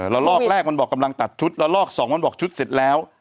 แล้วลอกแรกมันบอกกำลังตัดชุดละลอกสองมันบอกชุดเสร็จแล้ว